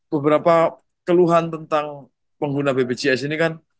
beberapa keluhan tentang pengguna bpjs ini kan